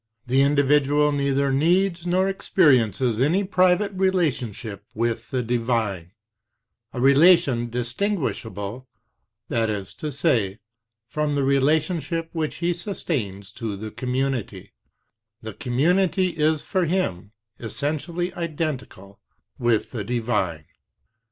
The individual neither needs nor experiences any private relationship with the divine, a relation distinguishable, that is to say, from the relationship which he sustains to the community; the community is for him essentially identical with the divine.